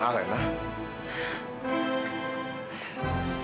apa yang ada